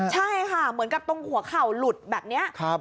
ใช่ค่ะเหมือนกับตรงหัวเข่าหลุดแบบนี้